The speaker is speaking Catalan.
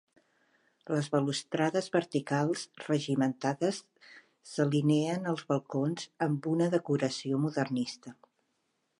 Les balustrades verticals regimentades s'alineen als balcons amb una decoració modernista.